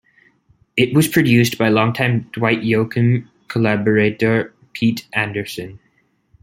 It was produced by longtime Dwight Yoakam collaborator Pete Anderson.